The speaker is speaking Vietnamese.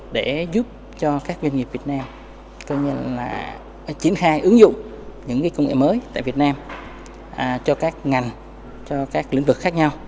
để giúp cho các doanh nghiệp việt nam triển khai ứng dụng những công nghệ mới tại việt nam cho các ngành cho các lĩnh vực khác nhau